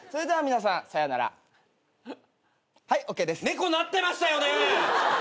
猫なってましたよね！？